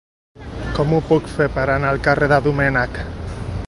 Com ho puc fer per anar al carrer de Domènech?